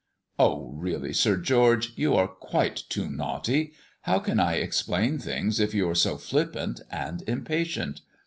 "Oh really, Sir George, you are quite too naughty. How can I explain things if you are so flippant and impatient?